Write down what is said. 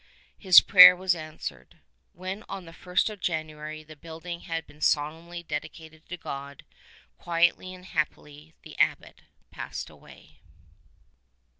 His prayer was answered. When on the ist of January the building had been solemnly dedicated to God, quietly and happily the Abbot passed away.